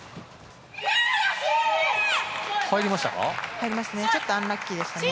入りましたか。